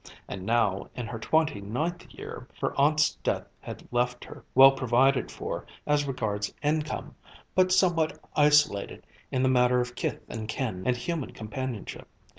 And now, in her twenty ninth year, her aunt's death had left her, well provided for as regards income, but somewhat isolated in the matter of kith and kin and human companionship.